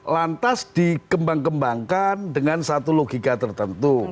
lantas dikembang kembangkan dengan satu logika tertentu